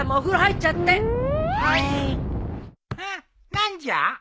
何じゃ？